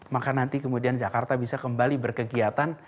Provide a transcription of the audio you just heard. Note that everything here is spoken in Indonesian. maka nanti kemudian jakarta bisa kembali berkegiatan